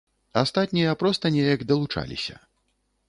Астатнія проста неяк далучаліся.